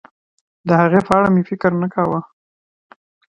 د هغې په اړه مې فکر نه کاوه.